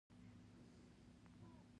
د خوب اواز د دوی زړونه ارامه او خوښ کړل.